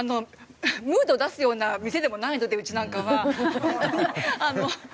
ムード出すような店でもないのでうちなんかはホントに。